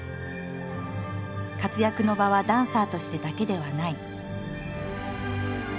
活躍の場はダンサーとしてだけではない。